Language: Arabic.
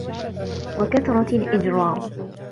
وَكَثْرَةِ الْإِجْرَامِ